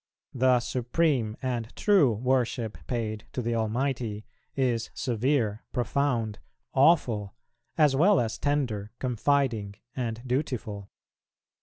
The supreme and true worship paid to the Almighty is severe, profound, awful, as well as tender, confiding, and dutiful.